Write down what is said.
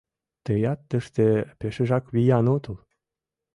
Тыят тыште пешыжак виян отыл.